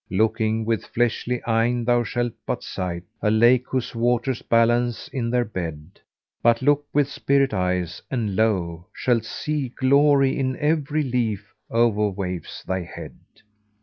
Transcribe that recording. Looking with fleshly eyne, thou shalt but sight * A lake whose waters balance in their bed, But look with spirit eyes and lo! shalt see * Glory in every leaf o'erwaves thy head."